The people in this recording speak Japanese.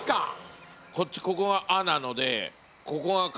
ここが「あ」なのでここが「か」